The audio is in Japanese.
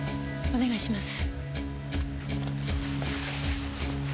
お願いします。